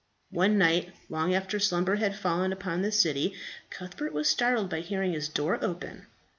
One night, long after slumber had fallen upon the city, Cuthbert was startled by hearing his door open.